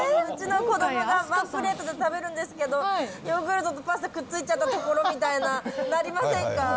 うちの子どもがで食べるんですけど、ヨーグルトとパスタくっついちゃったところみたいな、なりませんか？